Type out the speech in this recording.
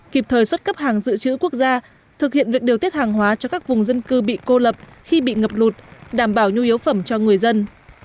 kịp thời xuất cấp hàng dự trữ quốc gia thực hiện việc điều tiết hàng hóa cho các vùng dân cư bị cô lập khi bị ngập lụt đảm bảo nhu yếu phẩm cho người dân